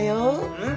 うん？